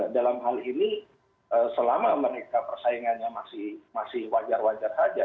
dalam hal ini selama mereka persaingannya masih wajar wajar saja